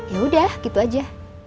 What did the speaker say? ya udah gitu aja